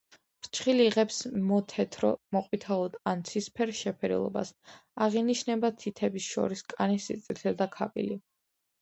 ფრჩხილი იღებს მოთეთრო, მოყვითალო ან ნაცრისფერ შეფერილობას, აღინიშნება თითებს შორის კანის სიწითლე და ქავილი.